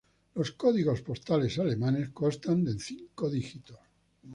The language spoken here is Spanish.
Los códigos postales alemanes constan de cinco dígitos.